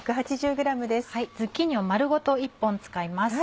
ズッキーニを丸ごと１本使います。